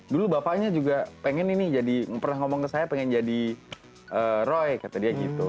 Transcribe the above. dulu bapaknya juga pengen ini jadi pernah ngomong ke saya pengen jadi roy kata dia gitu